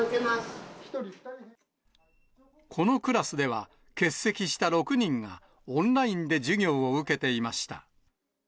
このクラスでは、欠席した６人が、オンラインで授業を受けていました。